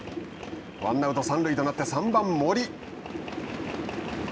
ワンアウト、三塁となって３番森。